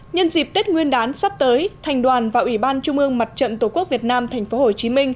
nhân dịp tết nguyên đán sắp tới thành đoàn và ủy ban trung ương mặt trận tổ quốc việt nam tp hcm